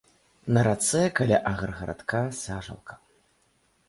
На рацэ каля аграгарадка сажалка.